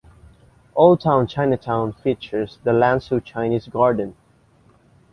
Old Town Chinatown features the Lan Su Chinese Garden.